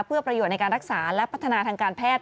เพื่อประโยชน์ในการรักษาและพัฒนาทางการแพทย์